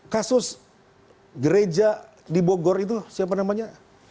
kasus gereja di bogor itu siapa namanya